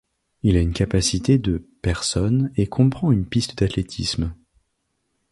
Il a une capacité de personnes et comprend une piste d'athlétisme.